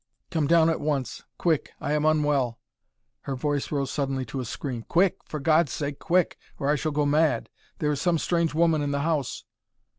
"Come down at once. Quick! I am unwell." Her voice rose suddenly to a scream. "Quick! For God's sake! Quick, or I shall go mad. There is some strange woman in the house."